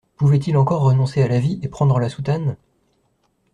Pouvait-il encore renoncer à la vie et prendre la soutane?